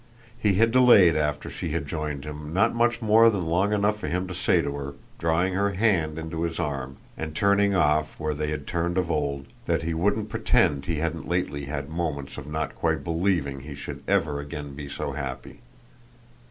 He had delayed after she had joined him not much more than long enough for him to say to her, drawing her hand into his arm and turning off where they had turned of old, that he wouldn't pretend he hadn't lately had moments of not quite believing he should ever again be so happy.